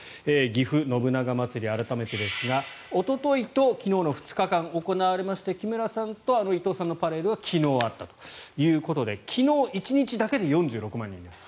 ぎふ信長まつり、改めてですがおとといと昨日の２日間行われまして木村さんと伊藤さんのパレードが昨日あったということで昨日１日だけで４６万人です。